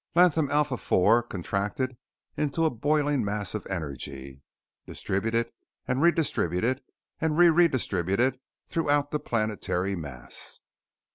Latham Alpha IV contracted into a boiling mass of energy, distributed and re distributed and re re distributed throughout the planetary mass.